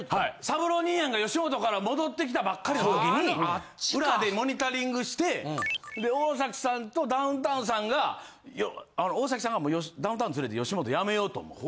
サブロー兄やんが吉本から戻ってきたばっかりの時に裏でモニタリングして大崎さんとダウンタウンさんが大さんがダウンタウン連れて吉本辞めようと思う。